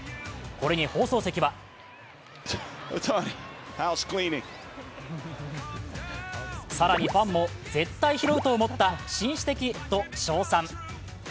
これに放送席は更にファンも、絶対に披露と思った、紳士的と称賛。